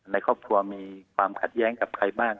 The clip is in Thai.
ในครอบครัวมีความขัดแย้งกับใครบ้าง